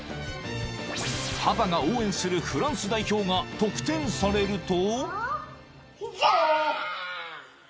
［パパが応援するフランス代表が得点されると］